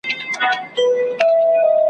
هر نادر سره قادر سته !.